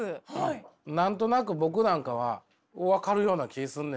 何となく僕なんかは分かるような気すんねんなあ。